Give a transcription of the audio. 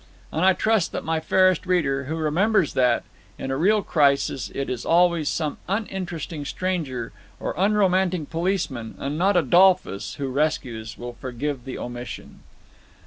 And I trust that my fairest reader, who remembers that, in a real crisis, it is always some uninteresting stranger or unromantic policeman, and not Adolphus, who rescues, will forgive the omission.